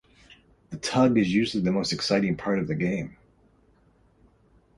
The tug is usually the most exciting part of the game.